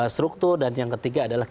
struktur dan yang ketiga adalah